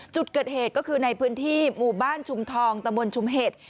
จุดเกิดเหตุก็คือในพื้นที่หมู่บ้านชุมทองตะบนชุมเห็ด